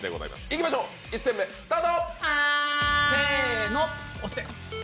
いきましょう、１戦目、スタート。